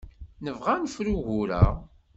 Nebɣa ad nefru ugur-a.